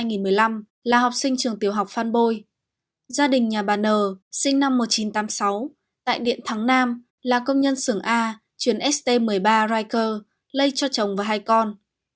gia đình nhà bà n sinh năm một nghìn chín trăm tám mươi sáu ngụ tại điện thắng nam là công nhân xưởng a chuyển st một mươi ba riker lây cho chồng và hai con